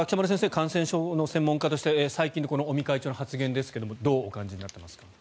感染症の専門家として最近の尾身会長の発言ですがどうお感じになっていますか？